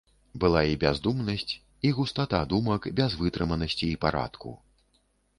Была і бяздумнасць, і густата думак без вытрыманасці і парадку.